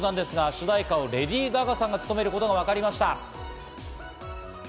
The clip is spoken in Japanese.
主題歌をレディー・ガガさんが務めることがわかりました。